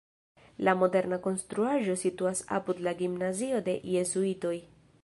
La moderna konstruaĵo situas apud la gimnazio de jezuitoj.